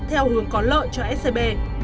theo hướng có lợi cho scb